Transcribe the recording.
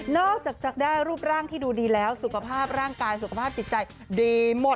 จากจะได้รูปร่างที่ดูดีแล้วสุขภาพร่างกายสุขภาพจิตใจดีหมด